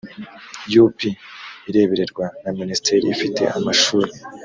u p irebererwa na minisiteri ifite amashuri